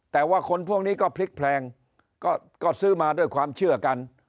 แต่ว่าคนพวกนี้ก็พลิกแพลงก็ซื้อมาด้วยความเชื่อกัน